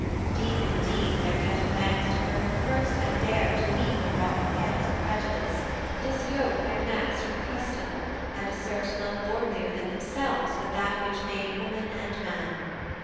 Deep, indeed, Their debt of thanks to her who first had dared To leap the rotten pales of prejudice, Disyoke their necks from custom, and assert None lordlier than themselves but that which made Woman and man.